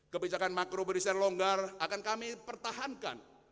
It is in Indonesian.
kebijakan makro berisir longgar akan kami pertahankan